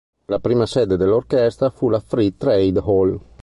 La prima sede dell'orchestra fu la Free Trade Hall.